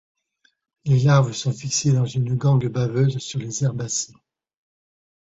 Les larves sont fixées dans une gangue baveuse sur les herbacées.